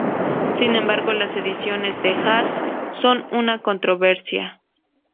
Sin embargo, las ediciones de Haas son una controversia.